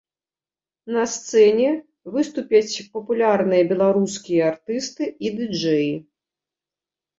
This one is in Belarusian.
На сцэне выступяць папулярныя беларускія артысты і ды-джэі.